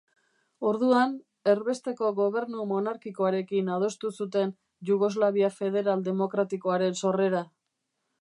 Orduan, erbesteko gobernu monarkikoarekin adostu zuten Jugoslavia Federal Demokratikoaren sorrera.